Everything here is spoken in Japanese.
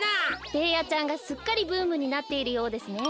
ベーヤちゃんがすっかりブームになっているようですね。